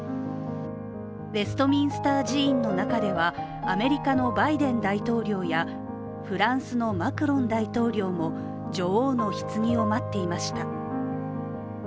ウェストミンスター寺院の中ではアメリカのバイデン大統領やフランスのマクロン大統領も女王のひつぎを待っていました。